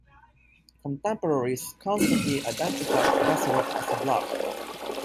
Contemporaries constantly identified Basarab as a Vlach.